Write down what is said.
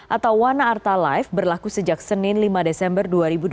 atau wana arta live berlaku sejak senin lima desember dua ribu dua puluh